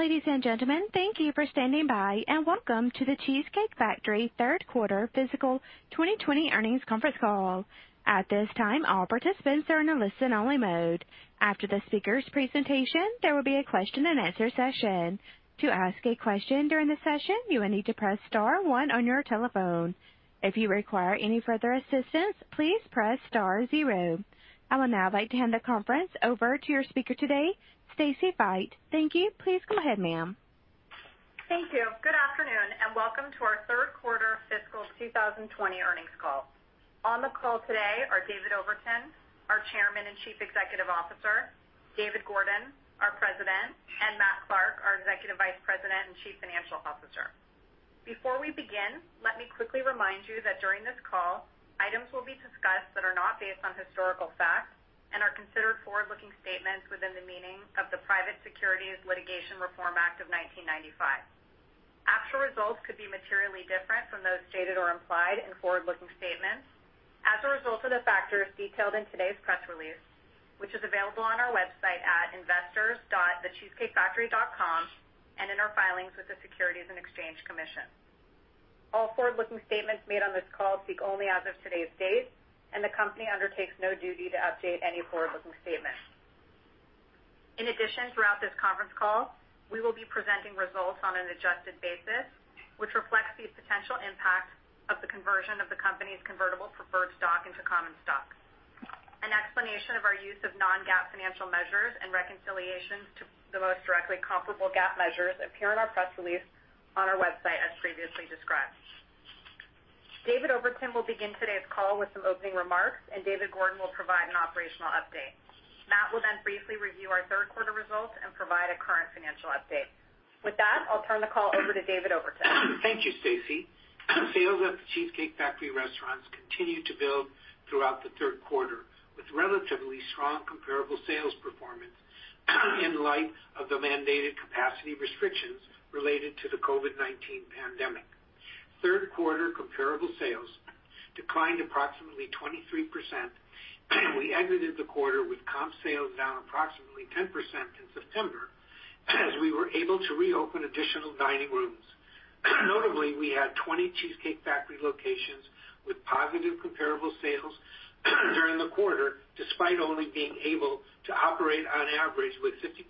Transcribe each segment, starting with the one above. Ladies and gentlemen, thank you for standing by, and welcome to The Cheesecake Factory third quarter fiscal 2020 earnings conference call. At this time our participants are on listen-only mode. After the speakers' presentations, there will be a questions and answers session. To ask a question during the session you only need to press star one on your telephone. If you require any further assistance please press star zero. I would now like to hand the conference over to your speaker today, Stacy Feit. Thank you. Please go ahead, ma'am. Thank you. Good afternoon, welcome to our third quarter fiscal 2020 earnings call. On the call today are David Overton, our Chairman and Chief Executive Officer, David Gordon, our President, and Matt Clark, our Executive Vice President and Chief Financial Officer. Before we begin, let me quickly remind you that during this call, items will be discussed that are not based on historical facts and are considered forward-looking statements within the meaning of the Private Securities Litigation Reform Act of 1995. Actual results could be materially different from those stated or implied in forward-looking statements as a result of the factors detailed in today's press release, which is available on our website at investors.thecheesecakefactory.com and in our filings with the Securities and Exchange Commission. All forward-looking statements made on this call speak only as of today's date, the company undertakes no duty to update any forward-looking statements. In addition, throughout this conference call, we will be presenting results on an adjusted basis, which reflects the potential impact of the conversion of the company's convertible preferred stock into common stock. An explanation of our use of non-GAAP financial measures and reconciliations to the most directly comparable GAAP measures appear in our press release on our website, as previously described. David Overton will begin today's call with some opening remarks. David Gordon will provide an operational update. Matt will briefly review our third quarter results and provide a current financial update. With that, I'll turn the call over to David Overton. Thank you, Stacy. Sales at The Cheesecake Factory restaurants continued to build throughout the third quarter, with relatively strong comparable sales performance in light of the mandated capacity restrictions related to the COVID-19 pandemic. Third quarter comparable sales declined approximately 23%, and we exited the quarter with comp sales down approximately 10% in September, as we were able to reopen additional dining rooms. Notably, we had 20 Cheesecake Factory locations with positive comparable sales during the quarter, despite only being able to operate on average with 50%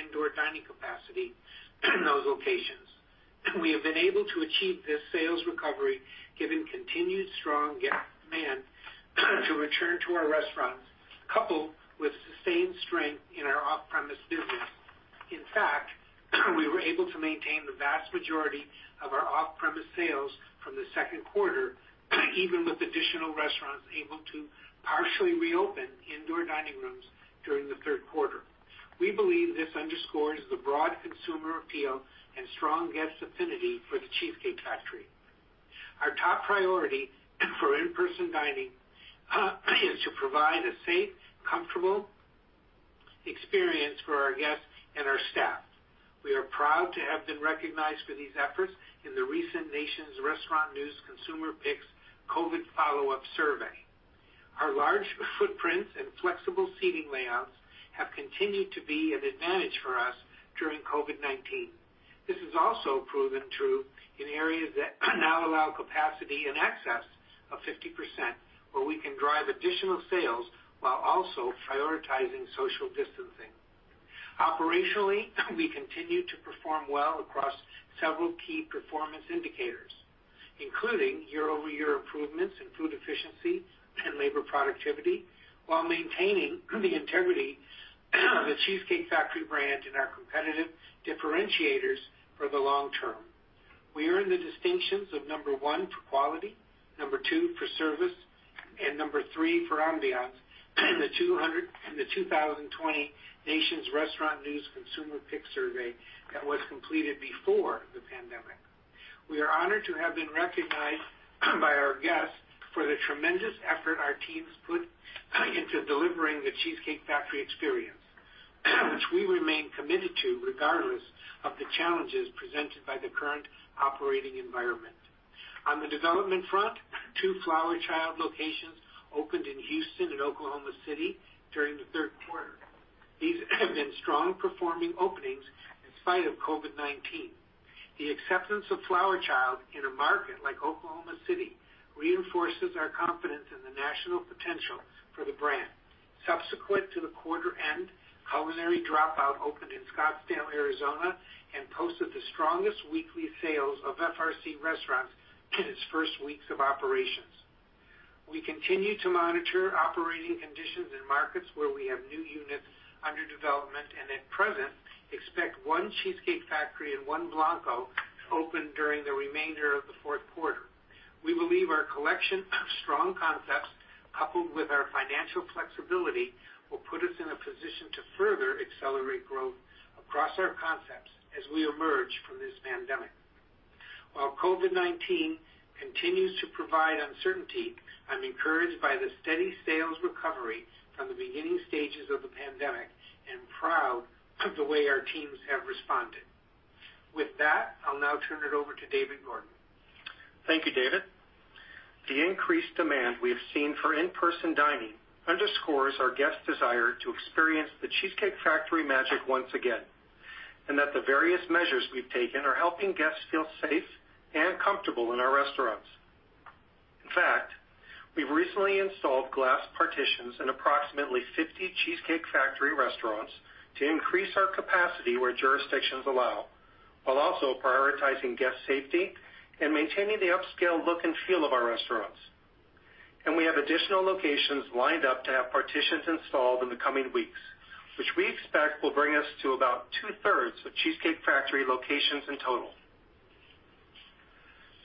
indoor dining capacity in those locations. We have been able to achieve this sales recovery given continued strong guest demand to return to our restaurants, coupled with sustained strength in our off-premise business. In fact, we were able to maintain the vast majority of our off-premise sales from the second quarter, even with additional restaurants able to partially reopen indoor dining rooms during the third quarter. We believe this underscores the broad consumer appeal and strong guest affinity for The Cheesecake Factory. Our top priority for in-person dining is to provide a safe, comfortable experience for our guests and our staff. We are proud to have been recognized for these efforts in the recent Nation's Restaurant News Consumer Picks COVID Follow-Up Survey. Our large footprints and flexible seating layouts have continued to be an advantage for us during COVID-19. This has also proven true in areas that now allow capacity in excess of 50%, where we can drive additional sales while also prioritizing social distancing. Operationally, we continue to perform well across several key performance indicators, including year-over-year improvements in food efficiency and labor productivity, while maintaining the integrity of The Cheesecake Factory brand and our competitive differentiators for the long term. We earned the distinctions of number one for quality, number two for service, and number three for ambiance in the 2020 Nation's Restaurant News Consumer Picks survey that was completed before the pandemic. We are honored to have been recognized by our guests for the tremendous effort our teams put into delivering The Cheesecake Factory experience, which we remain committed to regardless of the challenges presented by the current operating environment. On the development front, two Flower Child locations opened in Houston and Oklahoma City during the third quarter. These have been strong performing openings in spite of COVID-19. The acceptance of Flower Child in a market like Oklahoma City reinforces our confidence in the national potential for the brand. Subsequent to the quarter end, Culinary Dropout opened in Scottsdale, Arizona, and posted the strongest weekly sales of FRC restaurants in its first weeks of operations. We continue to monitor operating conditions in markets where we have new units under development and at present, expect one Cheesecake Factory and one Blanco to open during the remainder of the fourth quarter. We believe our collection of strong concepts, coupled with our financial flexibility, will put us in a position to further accelerate growth across our concepts as we emerge from this pandemic. While COVID-19 continues to provide uncertainty, I'm encouraged by the steady sales recovery from the beginning stages of the pandemic and proud of the way our teams have responded. With that, I'll now turn it over to David Gordon. Thank you, David. The increased demand we have seen for in-person dining underscores our guests' desire to experience The Cheesecake Factory magic once again, and that the various measures we've taken are helping guests feel safe and comfortable in our restaurants. In fact, we've recently installed glass partitions in approximately 50 The Cheesecake Factory restaurants to increase our capacity where jurisdictions allow, while also prioritizing guest safety and maintaining the upscale look and feel of our restaurants. We have additional locations lined up to have partitions installed in the coming weeks, which we expect will bring us to about two-thirds of The Cheesecake Factory locations in total.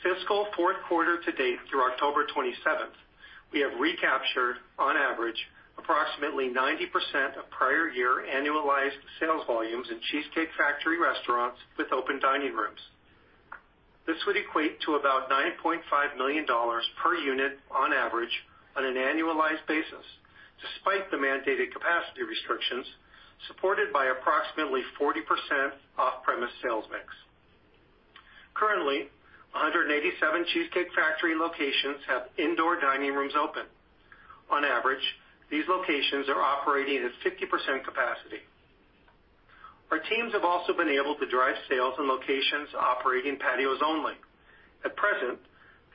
Fiscal fourth quarter to date through October 27th, we have recaptured, on average, approximately 90% of prior year annualized sales volumes in The Cheesecake Factory restaurants with open dining rooms. This would equate to about $9.5 million per unit on average on an annualized basis, despite the mandated capacity restrictions, supported by approximately 40% off-premise sales mix. Currently, 187 The Cheesecake Factory locations have indoor dining rooms open. On average, these locations are operating at 50% capacity. Our teams have also been able to drive sales in locations operating patios only. At present,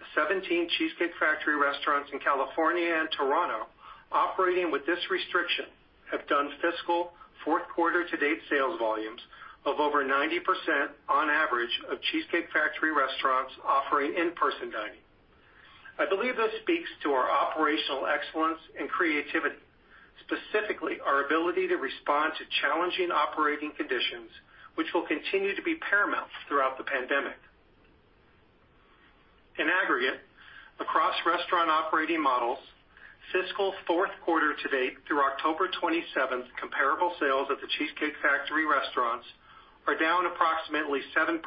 the 17 The Cheesecake Factory restaurants in California and Toronto operating with this restriction have done fiscal fourth quarter to date sales volumes of over 90% on average of The Cheesecake Factory restaurants offering in-person dining. I believe this speaks to our operational excellence and creativity, specifically our ability to respond to challenging operating conditions, which will continue to be paramount throughout the pandemic. In aggregate, across restaurant operating models, fiscal fourth quarter to date through October 27th, comparable sales at The Cheesecake Factory restaurants are down approximately 7%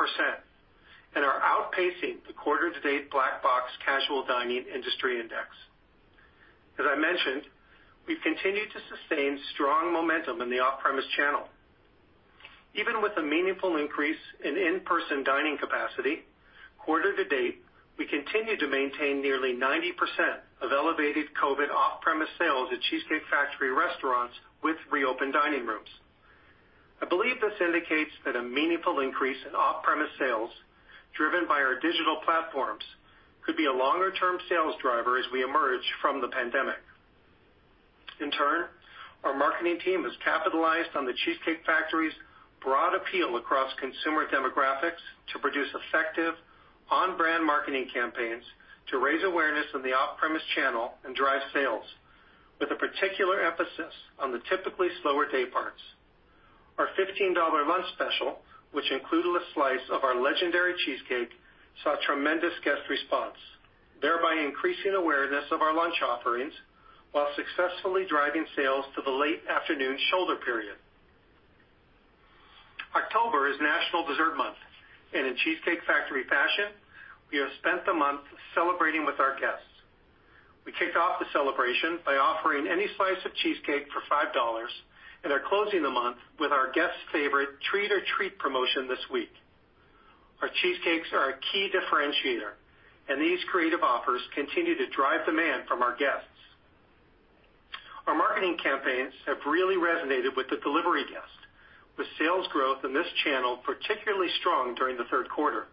and are outpacing the quarter to date Black Box casual dining industry index. As I mentioned, we've continued to sustain strong momentum in the off-premise channel. Even with a meaningful increase in in-person dining capacity, quarter to date, we continue to maintain nearly 90% of elevated COVID off-premise sales at The Cheesecake Factory restaurants with reopened dining rooms. I believe this indicates that a meaningful increase in off-premise sales driven by our digital platforms could be a longer-term sales driver as we emerge from the pandemic. In turn, our marketing team has capitalized on The Cheesecake Factory's broad appeal across consumer demographics to produce effective on-brand marketing campaigns to raise awareness in the off-premise channel and drive sales, with a particular emphasis on the typically slower day parts. Our $15 lunch special, which included a slice of our legendary cheesecake, saw tremendous guest response, thereby increasing awareness of our lunch offerings while successfully driving sales to the late afternoon shoulder period. October is National Dessert Month. In Cheesecake Factory fashion, we have spent the month celebrating with our guests. We kicked off the celebration by offering any slice of cheesecake for $5. We are closing the month with our guests' favorite Trick or Treat promotion this week. Our cheesecakes are our key differentiator. These creative offers continue to drive demand from our guests. Our marketing campaigns have really resonated with the delivery guest, with sales growth in this channel particularly strong during the third quarter.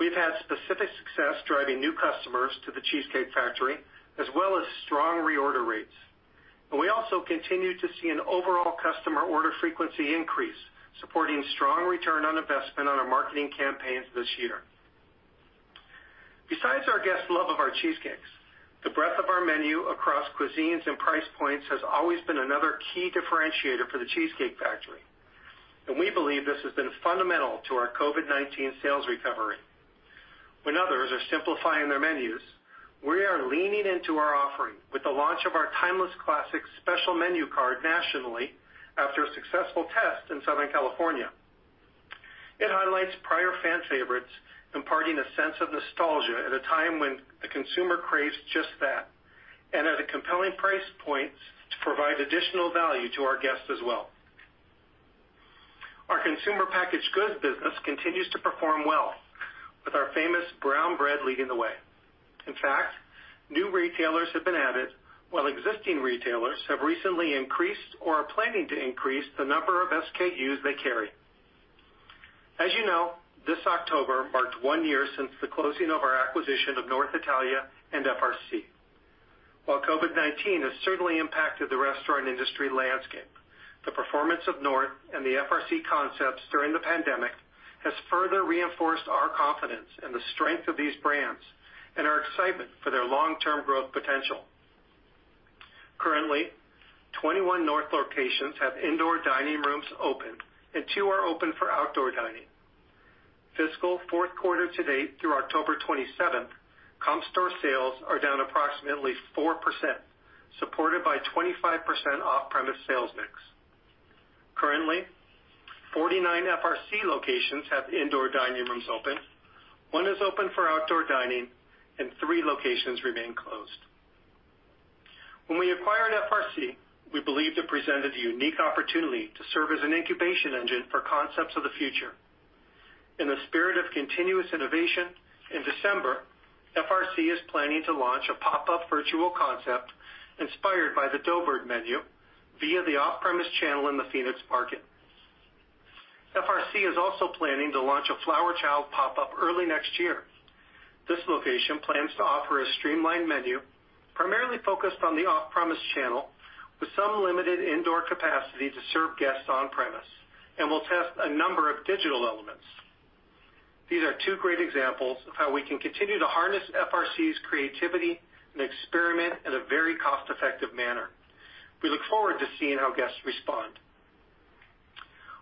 We've had specific success driving new customers to The Cheesecake Factory, as well as strong reorder rates, and we also continue to see an overall customer order frequency increase, supporting strong return on investment on our marketing campaigns this year. Besides our guests' love of our cheesecakes, the breadth of our menu across cuisines and price points has always been another key differentiator for The Cheesecake Factory, and we believe this has been fundamental to our COVID-19 sales recovery. When others are simplifying their menus, we are leaning into our offering with the launch of our Timeless Classics special menu card nationally after a successful test in Southern California. It highlights prior fan favorites, imparting a sense of nostalgia at a time when the consumer craves just that, and at a compelling price point to provide additional value to our guests as well. Our consumer packaged goods business continues to perform well, with our famous brown bread leading the way. In fact, new retailers have been added, while existing retailers have recently increased or are planning to increase the number of SKUs they carry. As you know, this October marked one year since the closing of our acquisition of North Italia and FRC. While COVID-19 has certainly impacted the restaurant industry landscape, the performance of North and the FRC concepts during the pandemic has further reinforced our confidence in the strength of these brands and our excitement for their long-term growth potential. Currently, 21 North locations have indoor dining rooms open, and two are open for outdoor dining. Fiscal fourth quarter to date through October 27th, comp store sales are down approximately 4%, supported by 25% off-premise sales mix. Currently, 49 FRC locations have indoor dining rooms open, one is open for outdoor dining, and three locations remain closed. When we acquired FRC, we believed it presented a unique opportunity to serve as an incubation engine for concepts of the future. In the spirit of continuous innovation, in December, FRC is planning to launch a pop-up virtual concept inspired by the Doughbird menu via the off-premise channel in the Phoenix market. FRC is also planning to launch a Flower Child pop-up early next year. This location plans to offer a streamlined menu primarily focused on the off-premise channel, with some limited indoor capacity to serve guests on premise, and will test a number of digital elements. These are two great examples of how we can continue to harness FRC's creativity and experiment in a very cost-effective manner. We look forward to seeing how guests respond.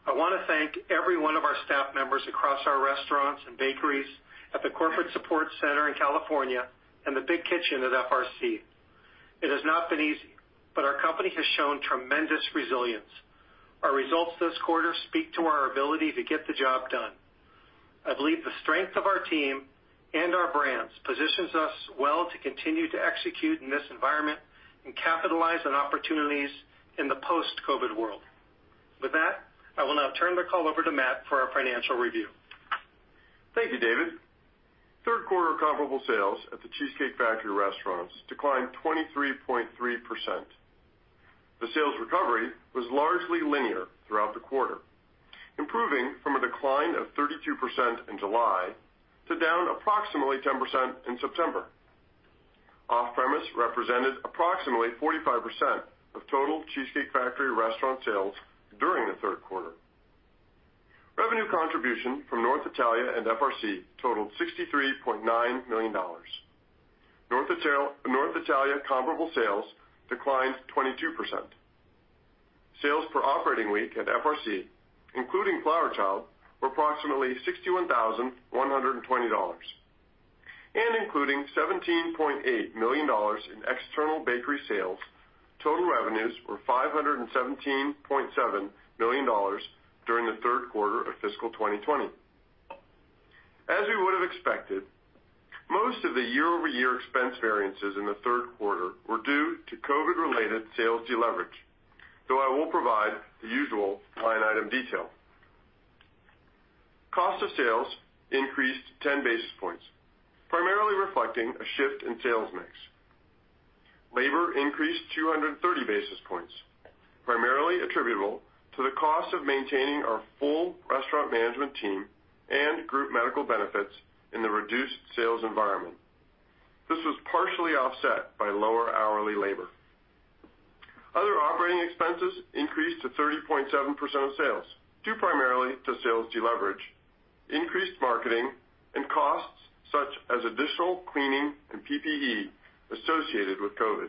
I want to thank every one of our staff members across our restaurants and bakeries at the corporate support center in California and the big kitchen at FRC. It has not been easy, but our company has shown tremendous resilience. Our results this quarter speak to our ability to get the job done. I believe the strength of our team and our brands positions us well to continue to execute in this environment and capitalize on opportunities in the post-COVID world. With that, I will now turn the call over to Matt for our financial review. Thank you, David. Third quarter comparable sales at The Cheesecake Factory restaurants declined 23.3%. The sales recovery was largely linear throughout the quarter, improving from a decline of 32% in July to down approximately 10% in September. Off-premise represented approximately 45% of total Cheesecake Factory restaurant sales during the third quarter. Revenue contribution from North Italia and FRC totaled $63.9 million. North Italia comparable sales declined 22%. Sales per operating week at FRC, including Flower Child, were approximately $61,120, and including $17.8 million in external bakery sales, total revenues were $517.7 million during the third quarter of fiscal 2020. As we would've expected, most of the year-over-year expense variances in the third quarter were due to COVID-related sales deleverage. I won't provide the usual line item detail. Cost of sales increased 10 basis points, primarily reflecting a shift in sales mix. Labor increased 230 basis points, primarily attributable to the cost of maintaining our full restaurant management team and group medical benefits in the reduced sales environment. This was partially offset by lower hourly labor. Other operating expenses increased to 30.7% of sales, due primarily to sales deleverage, increased marketing, and costs such as additional cleaning and PPE associated with COVID.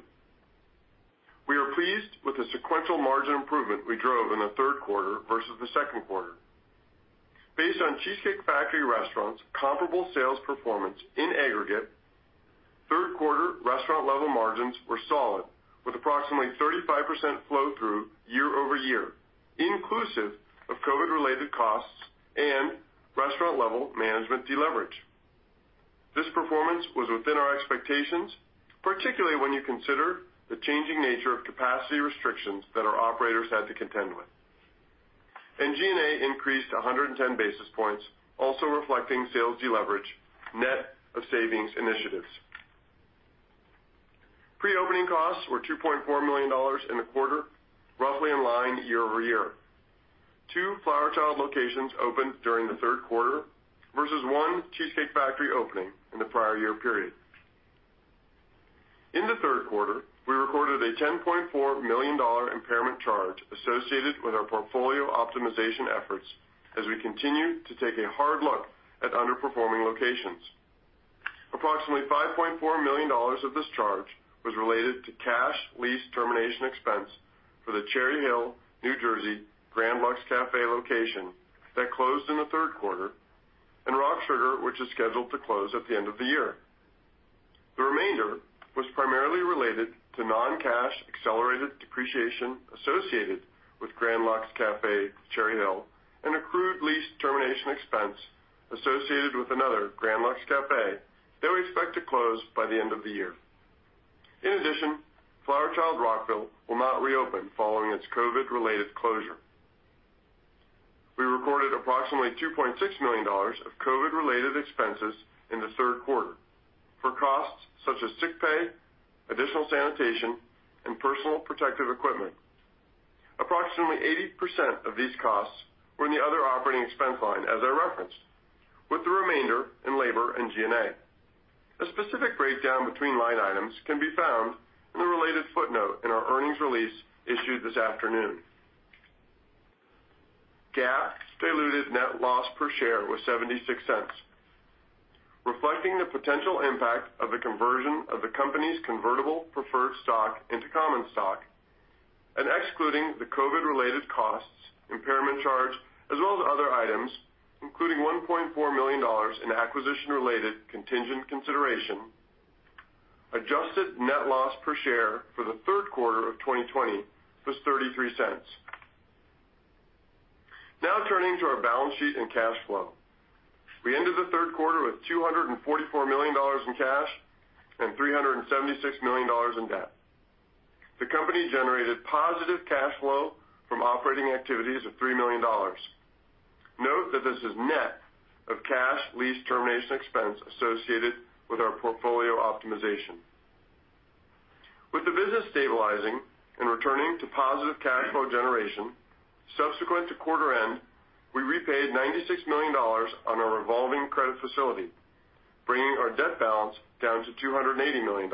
We are pleased with the sequential margin improvement we drove in the third quarter versus the second quarter. Based on The Cheesecake Factory restaurants' comparable sales performance in aggregate, third quarter restaurant-level margins were solid, with approximately 35% flow-through year-over-year, inclusive of COVID-related costs and restaurant-level management deleverage. This performance was within our expectations, particularly when you consider the changing nature of capacity restrictions that our operators had to contend with. G&A increased 110 basis points, also reflecting sales deleverage net of savings initiatives. Pre-opening costs were $2.4 million in the quarter, roughly in line year-over-year. Two Flower Child locations opened during the third quarter versus one Cheesecake Factory opening in the prior year period. In the third quarter, we recorded a $10.4 million impairment charge associated with our portfolio optimization efforts as we continue to take a hard look at underperforming locations. Approximately $5.4 million of this charge was related to cash lease termination expense for the Cherry Hill, New Jersey Grand Lux Café location that closed in the third quarter, and RockSugar, which is scheduled to close at the end of the year. The remainder was primarily related to non-cash accelerated depreciation associated with Grand Lux Café, Cherry Hill, and accrued lease termination expense associated with another Grand Lux Café that we expect to close by the end of the year. In addition, Flower Child Rockville will not reopen following its COVID-related closure. We recorded approximately $2.6 million of COVID-related expenses in the third quarter for costs such as sick pay, additional sanitation, and personal protective equipment. Approximately 80% of these costs were in the other operating expense line as I referenced, with the remainder in labor and G&A. A specific breakdown between line items can be found in the related footnote in our earnings release issued this afternoon. GAAP diluted net loss per share was $0.76. Reflecting the potential impact of the conversion of the company's convertible preferred stock into common stock, and excluding the COVID-related costs, impairment charge, as well as other items, including $1.4 million in acquisition-related contingent consideration, adjusted net loss per share for the third quarter of 2020 was $0.33. Turning to our balance sheet and cash flow. We ended the third quarter with $244 million in cash and $376 million in debt. The company generated positive cash flow from operating activities of $3 million. Note that this is net of cash lease termination expense associated with our portfolio optimization. With the business stabilizing and returning to positive cash flow generation, subsequent to quarter end, we repaid $96 million on our revolving credit facility, bringing our debt balance down to $280 million.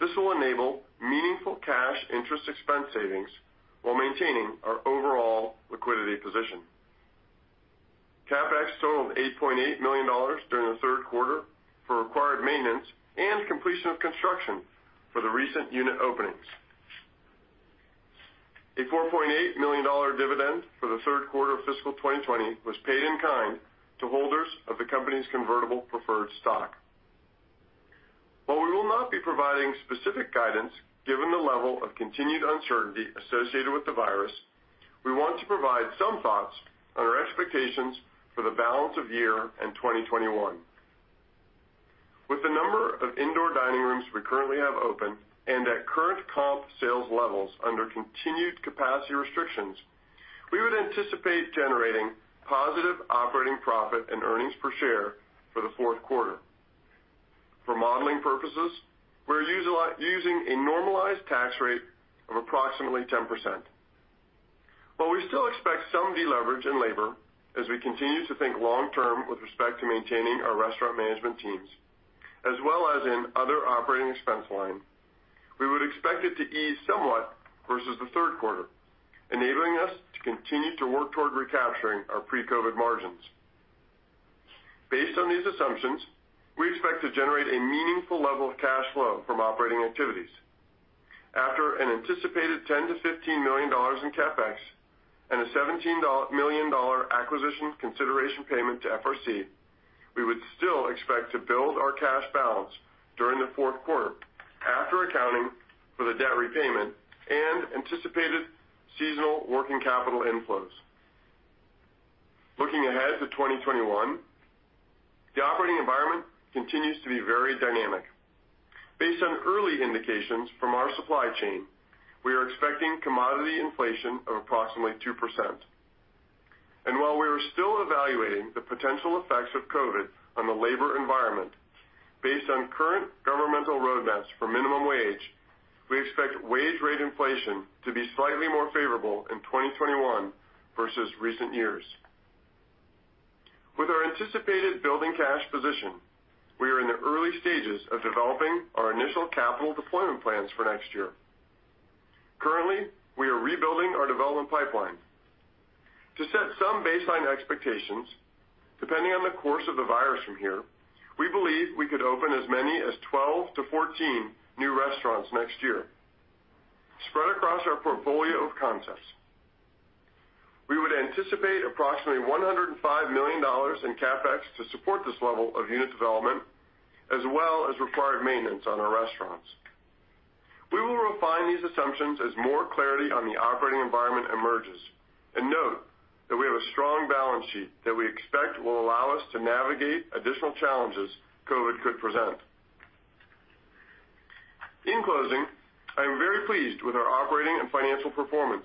This will enable meaningful cash interest expense savings while maintaining our overall liquidity position. CapEx totaled $8.8 million during the third quarter for required maintenance and completion of construction for the recent unit openings. A $4.8 million dividend for the third quarter of fiscal 2020 was paid in kind to holders of the company's convertible preferred stock. While we will not be providing specific guidance, given the level of continued uncertainty associated with the virus, we want to provide some thoughts on our expectations for the balance of year and 2021. With the number of indoor dining rooms we currently have open, and at current comp sales levels under continued capacity restrictions, we would anticipate generating positive operating profit and earnings per share for the fourth quarter. For modeling purposes, we're using a normalized tax rate of approximately 10%. While we still expect some deleverage in labor, as we continue to think long-term with respect to maintaining our restaurant management teams, as well as in other operating expense line, we would expect it to ease somewhat versus the third quarter, enabling us to continue to work toward recapturing our pre-COVID margins. Based on these assumptions, we expect to generate a meaningful level of cash flow from operating activities. After an anticipated $10 million-$15 million in CapEx and a $17 million acquisition consideration payment to FRC, we would still expect to build our cash balance during the fourth quarter, after accounting for the debt repayment and anticipated seasonal working capital inflows. Looking ahead to 2021, the operating environment continues to be very dynamic. Based on early indications from our supply chain, we are expecting commodity inflation of approximately 2%. While we are still evaluating the potential effects of COVID on the labor environment, based on current governmental roadmaps for minimum wage, we expect wage rate inflation to be slightly more favorable in 2021 versus recent years. With our anticipated building cash position, we are in the early stages of developing our initial capital deployment plans for next year. Currently, we are rebuilding our development pipeline. To set some baseline expectations, depending on the course of the virus from here, we believe we could open as many as 12 to 14 new restaurants next year, spread across our portfolio of concepts. We would anticipate approximately $105 million in CapEx to support this level of unit development, as well as required maintenance on our restaurants. We will refine these assumptions as more clarity on the operating environment emerges, and note that we have a strong balance sheet that we expect will allow us to navigate additional challenges COVID could present. In closing, I am very pleased with our operating and financial performance.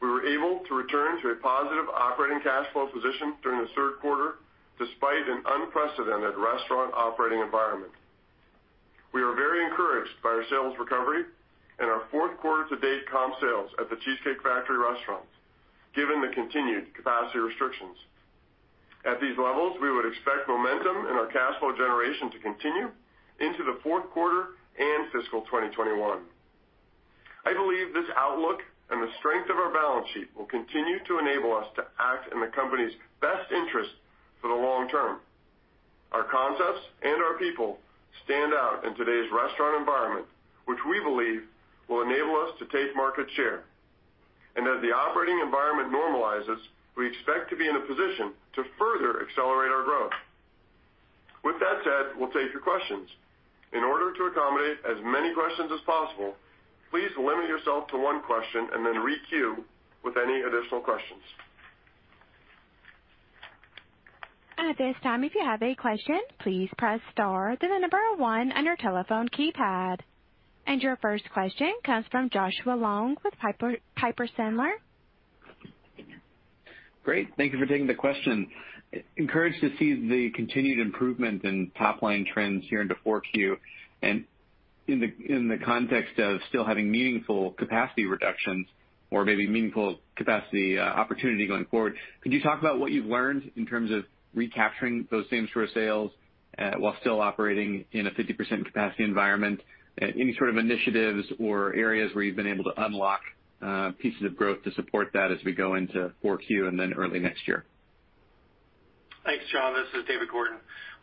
We were able to return to a positive operating cash flow position during the third quarter, despite an unprecedented restaurant operating environment. We are very encouraged by our sales recovery and our 4th quarter to date comp sales at The Cheesecake Factory restaurants, given the continued capacity restrictions. At these levels, we would expect momentum in our cash flow generation to continue into the 4th quarter and fiscal 2021. I believe this outlook and the strength of our balance sheet will continue to enable us to act in the company's best interest for the long term. Our concepts and our people stand out in today's restaurant environment, which we believe will enable us to take market share. As the operating environment normalizes, we expect to be in a position to further accelerate our growth. With that said, we'll take your questions. In order to accommodate as many questions as possible, please limit yourself to one question and then re-queue with any additional questions. At this time, if you have a question, please press star, then the number one on your telephone keypad. Your first question comes from Joshua Long with Piper Sandler. Great. Thank you for taking the question. Encouraged to see the continued improvement in top-line trends here into 4Q. In the context of still having meaningful capacity reductions or maybe meaningful capacity opportunity going forward, could you talk about what you've learned in terms of recapturing those same-store sales, while still operating in a 50% capacity environment? Any sort of initiatives or areas where you've been able to unlock pieces of growth to support that as we go into 4Q and then early next year? Thanks, Josh. This is David Gordon.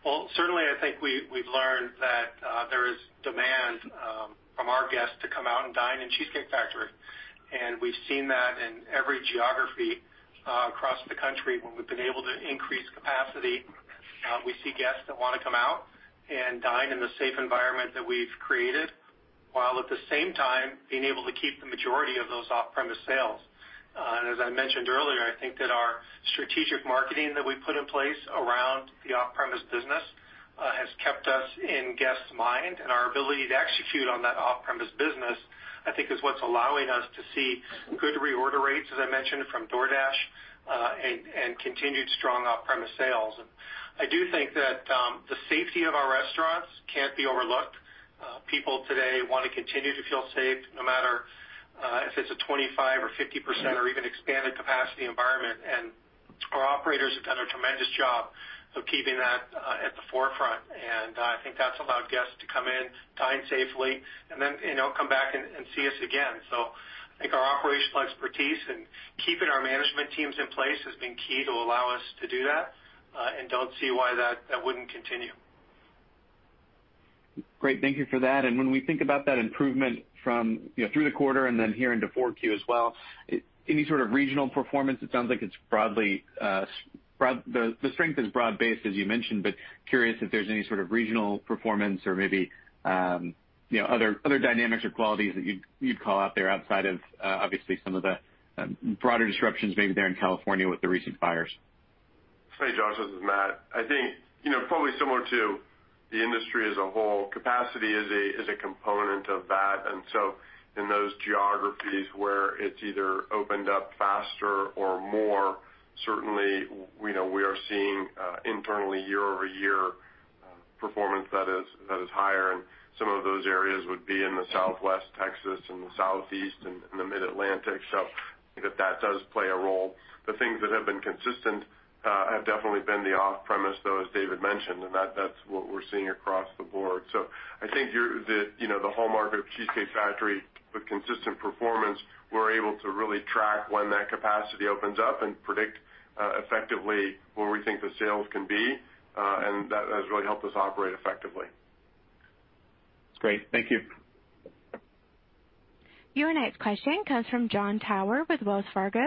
Well, certainly, I think we've learned that there is demand from our guests to come out and dine in The Cheesecake Factory. We've seen that in every geography across the country when we've been able to increase capacity. We see guests that want to come out and dine in the safe environment that we've created. While at the same time, being able to keep the majority of those off-premise sales. As I mentioned earlier, I think that our strategic marketing that we put in place around the off-premise business, has kept us in guests' mind, and our ability to execute on that off-premise business, I think is what's allowing us to see good reorder rates, as I mentioned, from DoorDash, and continued strong off-premise sales. I do think that the safety of our restaurants can't be overlooked. People today want to continue to feel safe no matter if it's a 25% or 50% or even expanded capacity environment. Our operators have done a tremendous job of keeping that at the forefront, and I think that's allowed guests to come in, dine safely, and then come back and see us again. I think our operational expertise and keeping our management teams in place has been key to allow us to do that, and don't see why that wouldn't continue. Great. Thank you for that. When we think about that improvement through the quarter and then here into 4Q as well, any sort of regional performance? It sounds like the strength is broad-based, as you mentioned, but curious if there's any sort of regional performance or maybe other dynamics or qualities that you'd call out there outside of obviously some of the broader disruptions, maybe there in California with the recent fires. Hey, Josh, this is Matt. I think, probably similar to the industry as a whole, capacity is a component of that. In those geographies where it's either opened up faster or more, certainly, we are seeing internally year-over-year performance that is higher, and some of those areas would be in the Southwest Texas and the Southeast and the Mid-Atlantic. I think that that does play a role. The things that have been consistent have definitely been the off-premise, though, as David mentioned, and that's what we're seeing across the board. I think the hallmark of The Cheesecake Factory, the consistent performance, we're able to really track when that capacity opens up and predict effectively where we think the sales can be. That has really helped us operate effectively. Great. Thank you. Your next question comes from Jon Tower with Wells Fargo.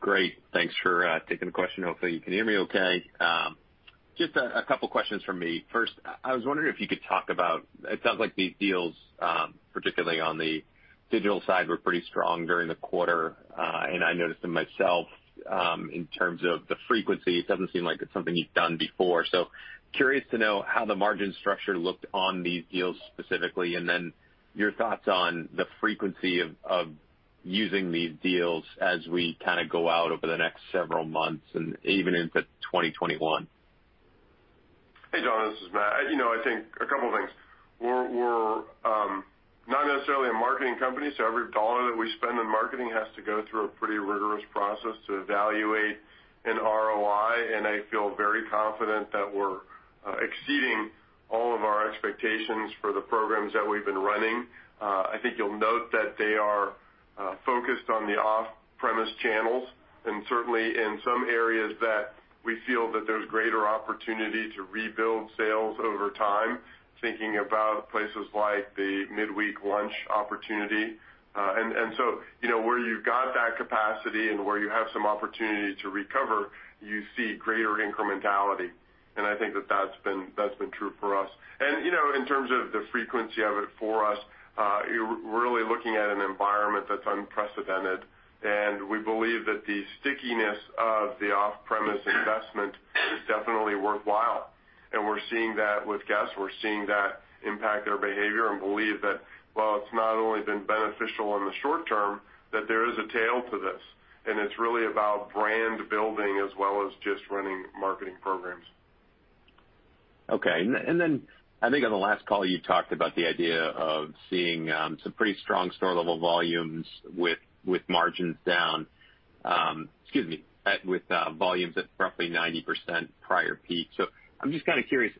Great. Thanks for taking the question. Hopefully, you can hear me okay. Just a couple questions from me. First, I was wondering if you could talk about, it sounds like these deals, particularly on the digital side, were pretty strong during the quarter. I noticed them myself, in terms of the frequency, it doesn't seem like it's something you've done before. Curious to know how the margin structure looked on these deals specifically, and then your thoughts on the frequency of using these deals as we go out over the next several months and even into 2021. Hey, Jon, this is Matt. I think a couple of things. We're not necessarily a marketing company, so every dollar that we spend in marketing has to go through a pretty rigorous process to evaluate an ROI, and I feel very confident that we're exceeding all of our expectations for the programs that we've been running. I think you'll note that they are focused on the off-premise channels and certainly in some areas that we feel that there's greater opportunity to rebuild sales over time, thinking about places like the midweek lunch opportunity. Where you've got that capacity and where you have some opportunity to recover, you see greater incrementality, and I think that that's been true for us. In terms of the frequency of it for us, you're really looking at an environment that's unprecedented, and we believe that the stickiness of the off-premise investment is definitely worthwhile. We're seeing that with guests. We're seeing that impact their behavior and believe that while it's not only been beneficial in the short term, that there is a tail to this, and it's really about brand building as well as just running marketing programs. Okay. I think on the last call, you talked about the idea of seeing some pretty strong store-level volumes with margins down. Excuse me, with volumes at roughly 90% prior peak. I'm just kind of curious,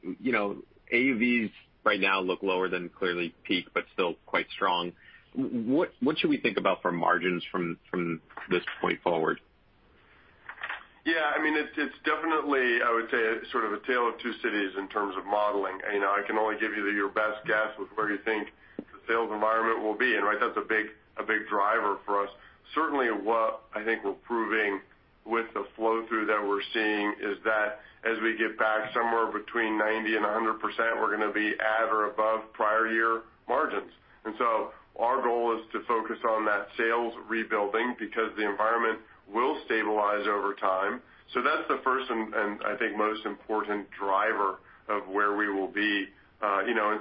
AUVs right now look lower than clearly peak, but still quite strong. What should we think about for margins from this point forward? Yeah, it's definitely, I would say, sort of a tale of two cities in terms of modeling. I can only give you your best guess with where you think the sales environment will be. That's a big driver for us. Certainly what I think we're proving with the flow-through that we're seeing is that as we get back somewhere between 90% and 100%, we're going to be at or above prior year margins. Our goal is to focus on that sales rebuilding because the environment will stabilize over time. That's the first and I think most important driver of where we will be.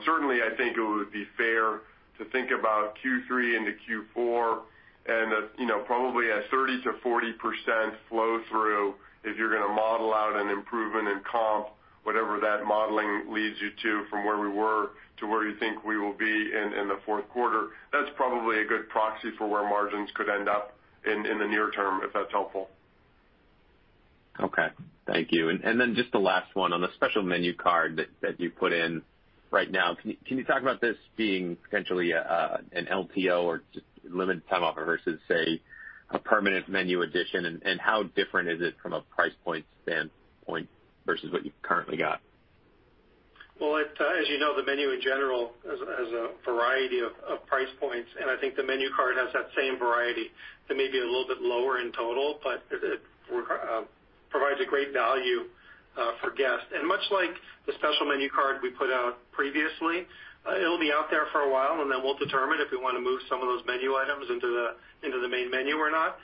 Certainly I think it would be fair to think about Q3 into Q4 and probably a 30%-40% flow-through if you're going to model out an improvement in comp, whatever that modeling leads you to from where we were to where you think we will be in the fourth quarter. That's probably a good proxy for where margins could end up in the near term, if that's helpful. Okay. Thank you. Just the last one on the special menu card that you put in right now. Can you talk about this being potentially an LTO or just limited time offer versus say, a permanent menu addition? How different is it from a price point standpoint versus what you've currently got? Well, as you know, the menu in general has a variety of price points, and I think the menu card has that same variety. They may be a little bit lower in total, but we provides a great value for guests. Much like the special menu card we put out previously, it'll be out there for a while, then we'll determine if we want to move some of those menu items into the main menu or not,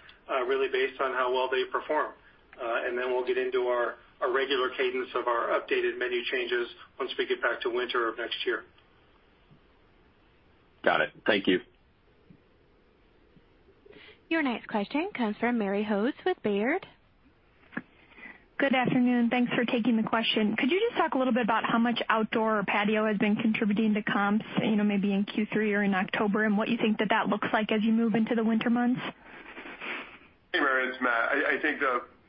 really based on how well they perform. Then we'll get into our regular cadence of our updated menu changes once we get back to winter of next year. Got it. Thank you. Your next question comes from Mary Hodes with Baird. Good afternoon, thanks for taking the question. Could you just talk a little bit about how much outdoor or patio has been contributing to comps, maybe in Q3 or in October, and what you think that looks like as you move into the winter months? Hey, Mary, it's Matt. I think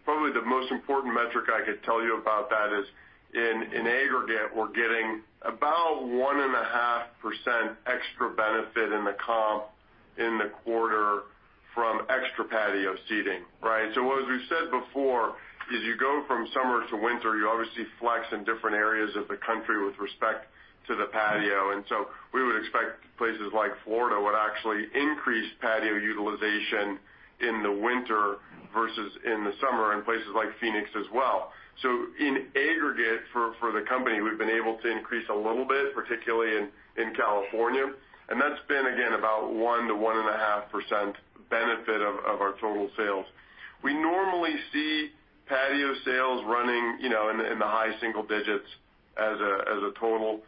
probably the most important metric I could tell you about that is, in aggregate, we're getting about 1.5% extra benefit in the comp in the quarter from extra patio seating. Right? As we've said before, as you go from summer to winter, you obviously flex in different areas of the country with respect to the patio. We would expect places like Florida would actually increase patio utilization in the winter versus in the summer, and places like Phoenix as well. In aggregate for the company, we've been able to increase a little bit, particularly in California, and that's been, again, about 1%-1.5% benefit of our total sales. We normally see patio sales running in the high single digits as a total.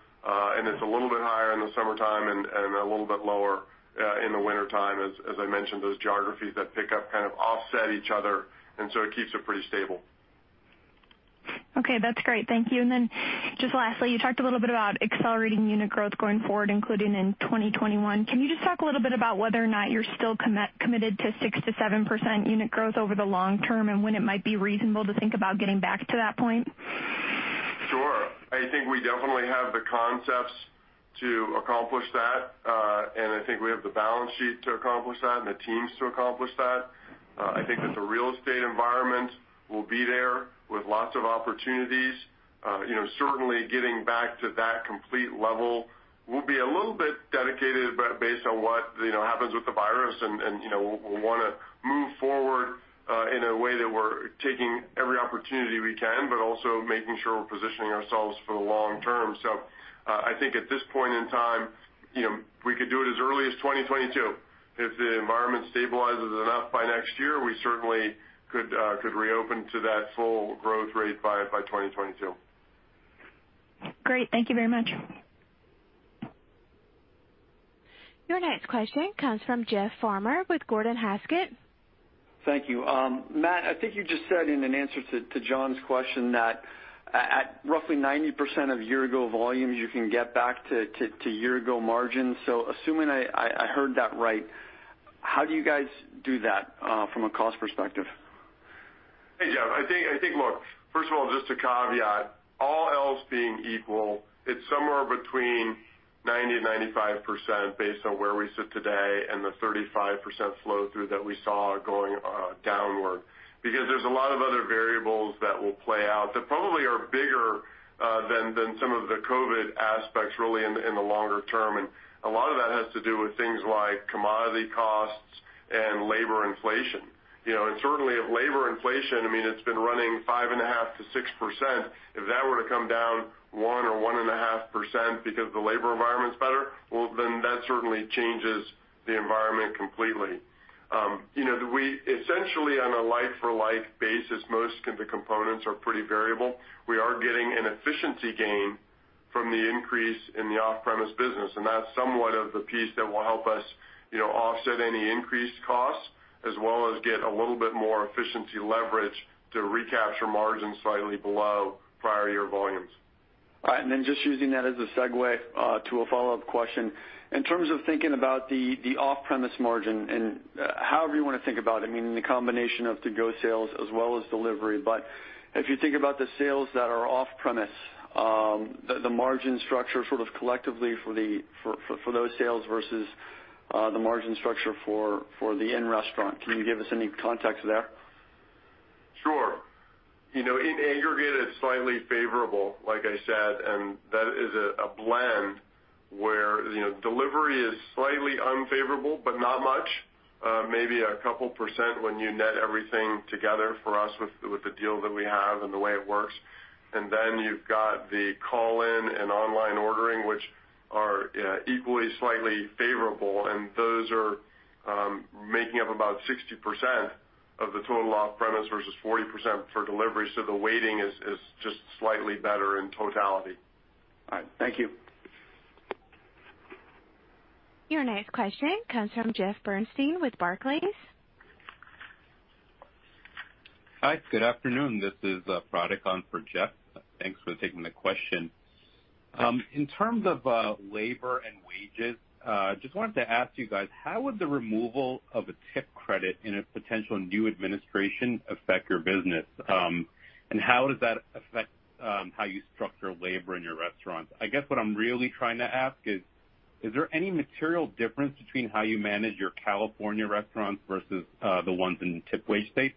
It's a little bit higher in the summertime and a little bit lower in the wintertime, as I mentioned, those geographies that pick up kind of offset each other, so it keeps it pretty stable. Okay. That's great. Thank you. Just lastly, you talked a little bit about accelerating unit growth going forward, including in 2021. Can you just talk a little bit about whether or not you're still committed to 6%-7% unit growth over the long term, and when it might be reasonable to think about getting back to that point? Sure. I think we definitely have the concepts to accomplish that, and I think we have the balance sheet to accomplish that and the teams to accomplish that. I think that the real estate environment will be there with lots of opportunities. Certainly, getting back to that complete level will be a little bit dedicated based on what happens with the virus, and we'll want to move forward in a way that we're taking every opportunity we can, but also making sure we're positioning ourselves for the long term. I think at this point in time, we could do it as early as 2022. If the environment stabilizes enough by next year, we certainly could reopen to that full growth rate by 2022. Great. Thank you very much. Your next question comes from Jeff Farmer with Gordon Haskett. Thank you. Matt, I think you just said in an answer to Jon's question that at roughly 90% of year ago volumes, you can get back to year ago margins. Assuming I heard that right, how do you guys do that from a cost perspective? Hey, Jeff. I think, look, first of all, just to caveat, all else being equal, it's somewhere between 90% and 95% based on where we sit today and the 35% flow-through that we saw going downward. There's a lot of other variables that will play out that probably are bigger than some of the COVID-19 aspects really in the longer term, and a lot of that has to do with things like commodity costs and labor inflation. Certainly, if labor inflation, it's been running 5.5% to 6%, if that were to come down 1% or 1.5% because the labor environment's better, well, then that certainly changes the environment completely. We essentially, on a like-for-like basis, most of the components are pretty variable. We are getting an efficiency gain from the increase in the off-premise business. That's somewhat of the piece that will help us offset any increased costs, as well as get a little bit more efficiency leverage to recapture margins slightly below prior year volumes. All right. Just using that as a segue to a follow-up question. In terms of thinking about the off-premise margin and however you want to think about it, in the combination of to-go sales as well as delivery, but if you think about the sales that are off-premise, the margin structure sort of collectively for those sales versus the margin structure for the in-restaurant, can you give us any context there? Sure. In aggregate, it's slightly favorable, like I said, and that is a blend where delivery is slightly unfavorable, but not much, maybe a couple percent when you net everything together for us with the deal that we have and the way it works. Then you've got the call-in and online ordering, which are equally slightly favorable, and those are making up about 60% of the total off-premise versus 40% for delivery. The weighting is just slightly better in totality. All right. Thank you. Your next question comes from Jeff Bernstein with Barclays. Hi, good afternoon. This is for Jeff. Thanks for taking the question. In terms of labor and wages, just wanted to ask you guys, how would the removal of a tip credit in a potential new administration affect your business? How does that affect how you structure labor in your restaurants? I guess what I'm really trying to ask is there any material difference between how you manage your California restaurants versus the ones in tip wage states?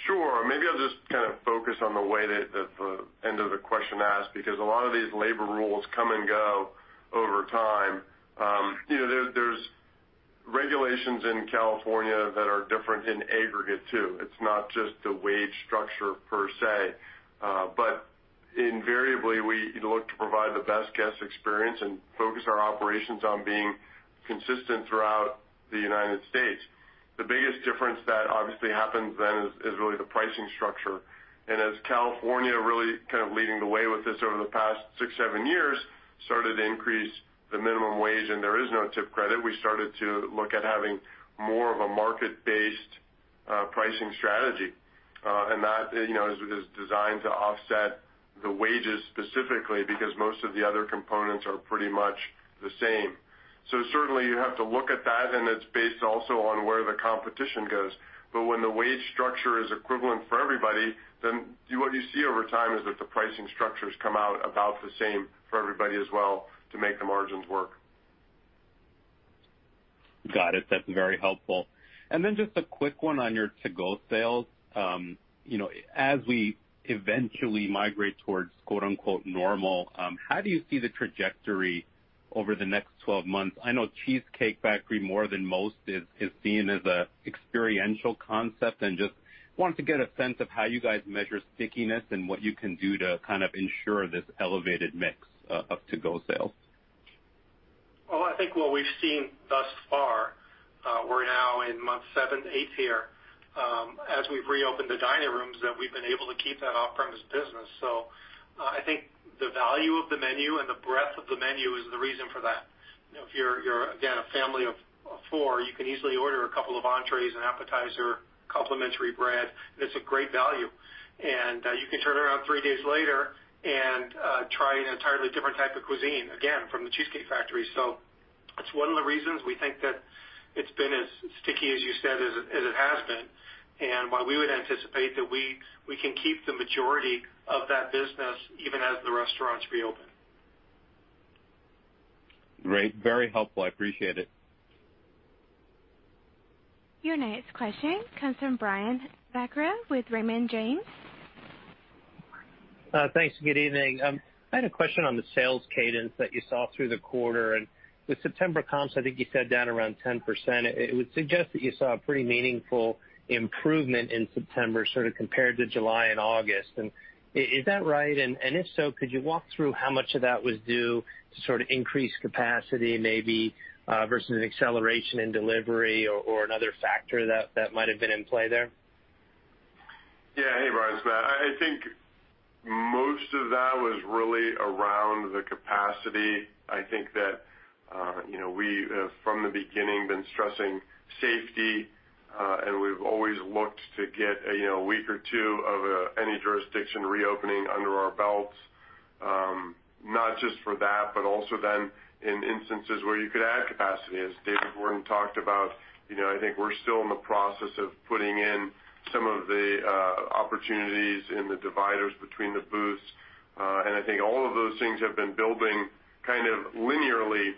Thanks. Focus on the way that the end of the question asked, because a lot of these labor rules come and go over time. There's regulations in California that are different in aggregate, too. It's not just the wage structure per se, but invariably, we look to provide the best guest experience and focus our operations on being consistent throughout the U.S. The biggest difference that obviously happens then is really the pricing structure. As California, really leading the way with this over the past six, seven years, started to increase the minimum wage and there is no tip credit, we started to look at having more of a market-based pricing strategy. That is designed to offset the wages specifically because most of the other components are pretty much the same. Certainly, you have to look at that, and it's based also on where the competition goes. When the wage structure is equivalent for everybody, what you see over time is that the pricing structures come out about the same for everybody as well to make the margins work. Got it. That's very helpful. Just a quick one on your to-go sales. As we eventually migrate towards "normal," how do you see the trajectory over the next 12 months? I know The Cheesecake Factory, more than most, is seen as an experiential concept, and just wanted to get a sense of how you guys measure stickiness and what you can do to ensure this elevated mix of to-go sales. I think what we've seen thus far, we're now in month seven, eight here, as we've reopened the dining rooms, that we've been able to keep that off-premise business. I think the value of the menu and the breadth of the menu is the reason for that. If you're, again, a family of four, you can easily order a couple of entrées, an appetizer, complimentary bread. That's a great value. You can turn around three days later and try an entirely different type of cuisine, again, from The Cheesecake Factory. It's one of the reasons we think that it's been as sticky as you said as it has been, and why we would anticipate that we can keep the majority of that business even as the restaurants reopen. Great. Very helpful. I appreciate it. Your next question comes from Brian Vaccaro with Raymond James. Thanks. Good evening. I had a question on the sales cadence that you saw through the quarter. With September comps, I think you said down around 10%, it would suggest that you saw a pretty meaningful improvement in September compared to July and August. Is that right? If so, could you walk through how much of that was due to increased capacity, maybe, versus an acceleration in delivery or another factor that might have been in play there? Hey, Brian, it's Matt. I think most of that was really around the capacity. I think that we, from the beginning, have been stressing safety. We've always looked to get a week or two of any jurisdiction reopening under our belts. Not just for that, also then in instances where you could add capacity, as David Gordon talked about. I think we're still in the process of putting in some of the opportunities in the dividers between the booths. I think all of those things have been building linearly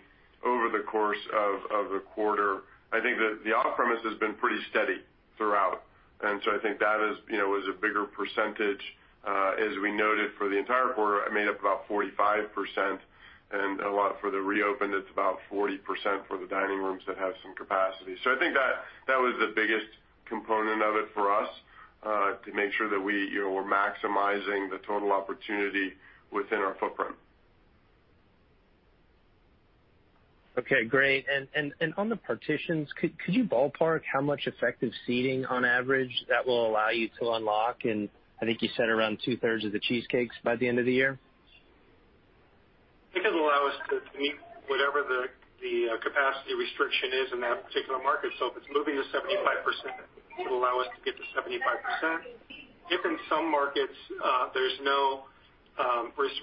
over the course of the quarter. I think that the off-premise has been pretty steady throughout. I think that is a bigger percentage. As we noted for the entire quarter, it made up about 45%. A lot for the reopened, it's about 40% for the dining rooms that have some capacity. I think that was the biggest component of it for us, to make sure that we're maximizing the total opportunity within our footprint. Okay, great. On the partitions, could you ballpark how much effective seating on average that will allow you to unlock in, I think you said around two-thirds of the Cheesecakes by the end of the year? It could allow us to meet whatever the capacity restriction is in that particular market. If it's moving to 75%, it'll allow us to get to 75%. If in some markets, there's no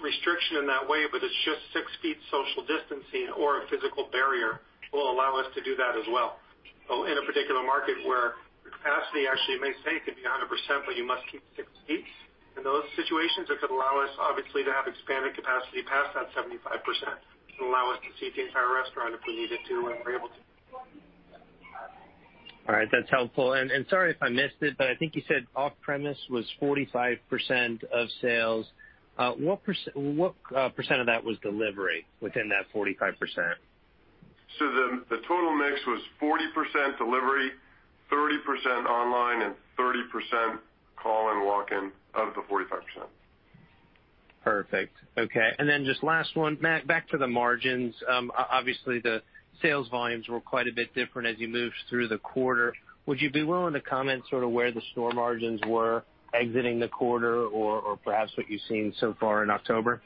restriction in that way, but it's just 6 ft social distancing or a physical barrier, will allow us to do that as well. In a particular market where the capacity actually may say it could be 100%, but you must keep 6 ft, in those situations, it could allow us, obviously, to have expanded capacity past that 75%, and allow us to seat the entire restaurant if we needed to and were able to. All right, that's helpful. Sorry if I missed it, but I think you said off-premise was 45% of sales. What percent of that was delivery within that 45%? The total mix was 40% delivery, 30% online, and 30% call and walk-in of the 45%. Perfect. Okay. Then just last one. Matt, back to the margins. Obviously, the sales volumes were quite a bit different as you moved through the quarter. Would you be willing to comment where the store margins were exiting the quarter or perhaps what you've seen so far in October?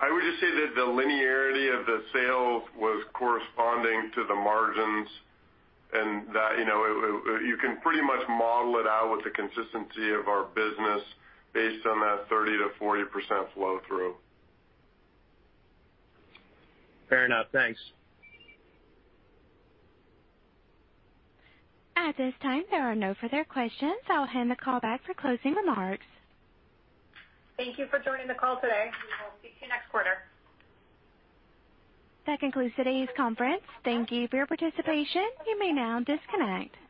I would just say that the linearity of the sales was corresponding to the margins, and that you can pretty much model it out with the consistency of our business based on that 30%-40% flow through. Fair enough. Thanks. At this time, there are no further questions. I will hand the call back for closing remarks. Thank you for joining the call today, and we will speak to you next quarter. That concludes today's conference. Thank you for your participation. You may now disconnect.